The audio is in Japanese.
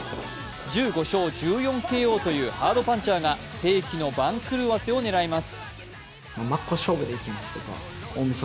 １５勝１４ＫＯというハードパンチャーが世紀の番狂わせを狙います。